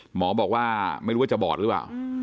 หมอบอกว่าไม่รู้ว่าจะบอดหรือเปล่า